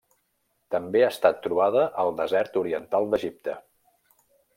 També ha estat trobada al desert oriental d'Egipte.